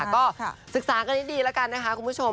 ก็ศึกษากันดีแล้วกันนะคะคุณผู้ชม